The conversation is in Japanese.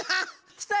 きた！